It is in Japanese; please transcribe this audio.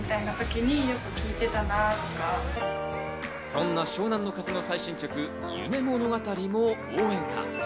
そんな湘南乃風の最新曲『夢物語』も応援歌。